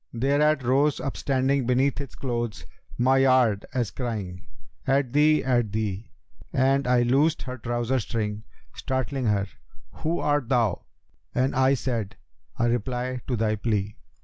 Thereat rose upstanding beneath its clothes * My yard, as crying, 'At thee! at thee!' And I loosed her trouser string, startling her: * 'Who art thou?' and I said, 'A reply to thy plea!'